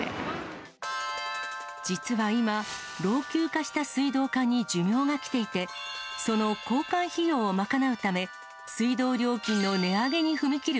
実は今、老朽化した水道管に寿命が来ていて、その交換費用を賄うため、水道料金の値上げに踏み切る